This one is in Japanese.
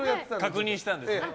確認してたんです。